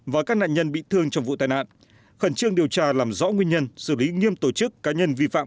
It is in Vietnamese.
và các nạn nhân bị thương trong vụ tai nạn khẩn trương điều tra làm rõ nguyên nhân xử lý nghiêm tổ chức cá nhân vi phạm